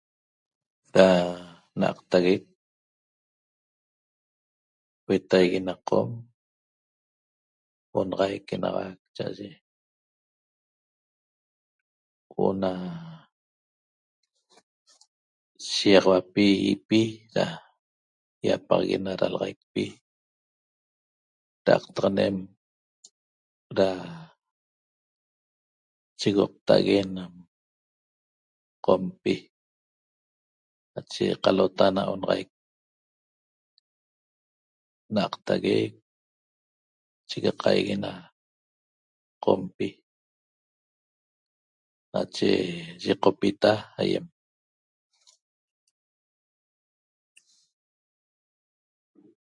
Da n'aqtaguec huetaigui na Qom onaxaic enauac cha'aye huo'o na shiýaxauapi ýipi da ýapaxaguen na dalaxaicpi da'aqtaxanen da chigoqta'ague na Qompi nache qalota na n'aqtaguec chegaqaigui na Qompi nache yiqopita aýem